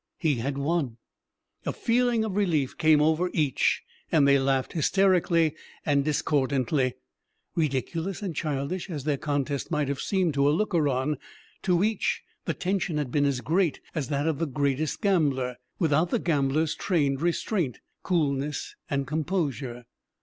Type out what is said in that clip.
He had won! A feeling of relief came over each, and they laughed hysterically and discordantly. Ridiculous and childish as their contest might have seemed to a looker on, to each the tension had been as great as that of the greatest gambler, without the gambler's trained restraint, coolness, and composure.